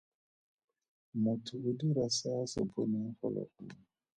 Motho o dira se a se boneng golo gongwe.